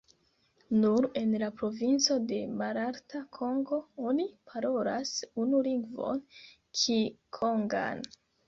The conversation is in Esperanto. Nur en la provinco de Malalta Kongo oni parolas unu lingvon, kikongan.